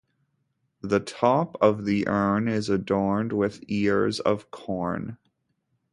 The top of the urn is adorned with ears of corn.